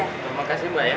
terima kasih mbak ya